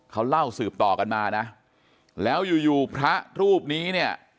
เขาเล่าสืบต่อกันมานะแล้วอยู่อยู่พระรูปนี้เนี่ย